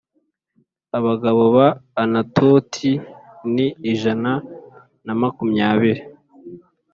Abagabo ba Anatoti ni ijana na makumyabiri